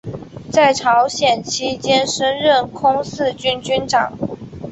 在朝鲜期间升任空四军军长。